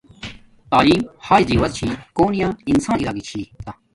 تعیلم ہاݵݵ زیور چھی کونی یا انسان ارا گی چھی تا